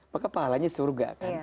maka pahalanya surga kan